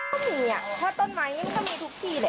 มันก็มีอ่ะเพราะต้นไม้มันก็มีทุกที่เลย